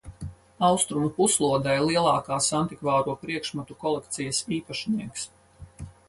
Austrumu puslodē lielākās antikvāro priekšmetu kolekcijas īpašnieks.